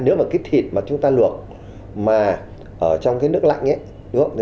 nếu mà cái thịt mà chúng ta luộc mà ở trong cái nước lạnh ấy